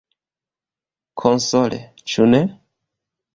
Konsole, ĉu ne?